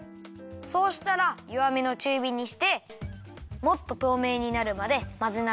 そうしたらよわめのちゅうびにしてもっととうめいになるまでまぜながらあたためるよ。